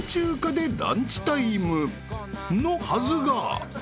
［のはずが］